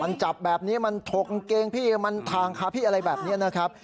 มันจับแบบนี้มันถกกางเกงพี่มันทางค่ะพี่อะไรแบบนี้นะครับ